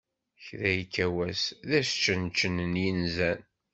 Kra yekka wass d asčenčen, n yinzan.